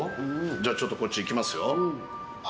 じゃあちょっとこっちいきますよ。